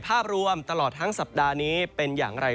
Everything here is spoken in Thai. ภาพรวมตลอดทั้งสัปดาห์นี้เป็นอย่างไร